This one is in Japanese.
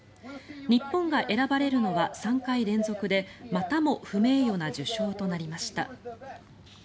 日本が選ばれるのは３回連続でまたも不名誉な受賞となりました。